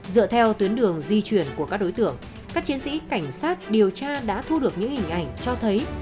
dựa theo tuyến đường di chuyển của các đối tượng các chiến sĩ cảnh sát điều tra đã thu được những hình ảnh cho thấy